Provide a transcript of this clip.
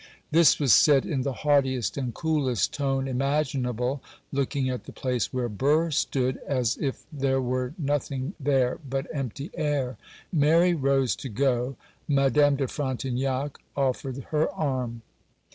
This was said in the haughtiest and coolest tone imaginable, looking at the place where Burr stood, as if there were nothing there but empty air. Mary rose to go; Madame de Frontignac offered her arm.